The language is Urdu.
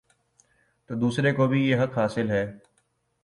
تو دوسرے کو بھی یہ حق حاصل ہے۔